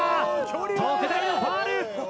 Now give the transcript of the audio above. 特大のファウル！